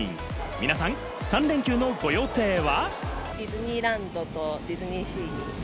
皆さん、３連休のご予定は？